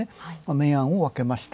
明暗を分けました。